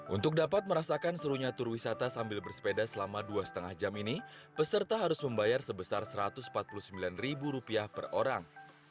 untuk dapat merasakan serunya tur wisata sambil bersepeda selama dua lima jam ini peserta harus membayar sebesar rp satu ratus empat puluh sembilan per orang